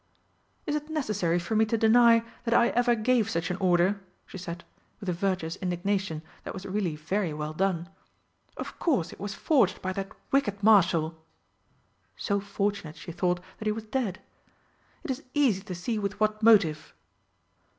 "Is it necessary for me to deny that I ever gave such an order?" she said, with a virtuous indignation that was really very well done. "Of course it was forged by that wicked Marshal!" (so fortunate, she thought, that he was dead!) "It is easy to see with what motive."